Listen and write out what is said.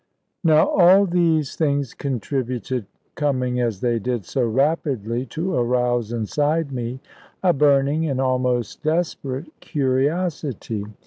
Now all these things contributed, coming as they did so rapidly, to arouse inside me a burning and almost desperate curiosity.